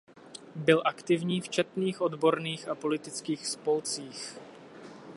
Byl aktivní v četných odborných a politických spolcích.